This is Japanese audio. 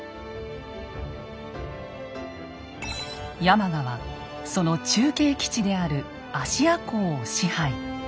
山鹿はその中継基地である芦屋港を支配。